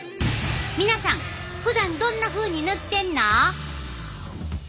皆さんふだんどんなふうに塗ってんの？